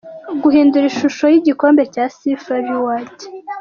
Guhindagura ishusho y’igikombe cya ‘Sifa Reward’.